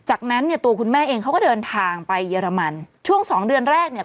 จากนั้นเนี่ยตัวคุณแม่เองเขาก็เดินทางไปเยอรมันช่วงสองเดือนแรกเนี่ย